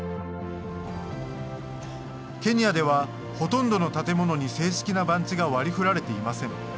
ケニアではほとんどの建物に正式な番地が割りふられていません。